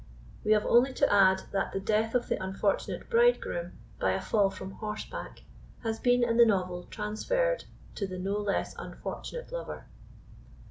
We have only to add, that the death of the unfortunate bridegroom by a fall from horseback has been in the novel transferred to the no less unfortunate lover.